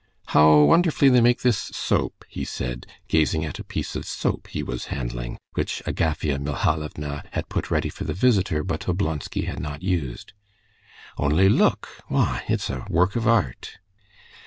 "How wonderfully they make this soap," he said gazing at a piece of soap he was handling, which Agafea Mihalovna had put ready for the visitor but Oblonsky had not used. "Only look; why, it's a work of art."